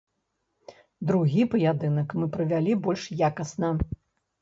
Другі паядынак мы правялі больш якасна.